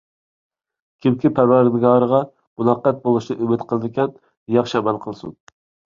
كىمكى پەرۋەردىگارىغا مۇلاقەت بولۇشنى ئۈمىد قىلىدىكەن، ياخشى ئەمەل قىلسۇن.